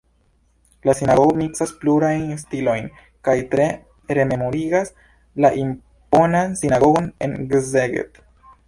La sinagogo miksas plurajn stilojn kaj tre rememorigas la imponan sinagogon en Szeged.